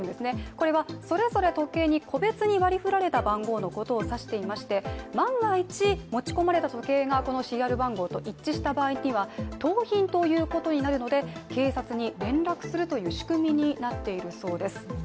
これはそれぞれ時計に個別に割り振られた番号のことが記されていまして万が一持ち込まれた時計がこのシリアル番号と一致した場合には盗品ということになるので、警察に連絡するという仕組みになっているそうです。